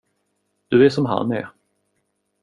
Du är som han är.